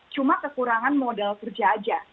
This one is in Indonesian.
cuma kekurangan modal kerja aja